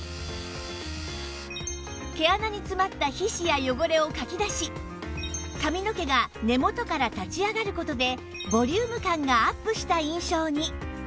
毛穴に詰まった皮脂や汚れをかき出し髪の毛が根元から立ち上がる事でボリューム感がアップした印象に